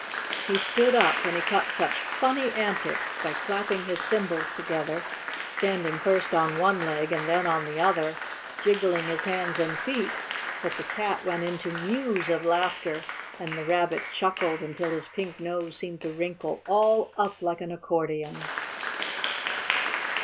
He stood up and he cut such funny antics by clapping his cymbals together, standing first on one leg and then on the other, jiggling his hands and feet, that the Cat went into mews of laughter and the Rabbit chuckled until his pink nose seemed to wrinkle all up like an accordion.